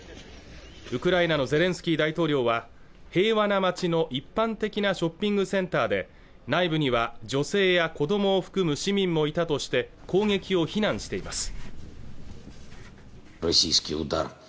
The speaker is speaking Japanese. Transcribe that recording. ウクライナのゼレンスキー大統領は平和な街の一般的なショッピングセンターで内部には女性や子どもを含む市民もいたとして攻撃を非難しています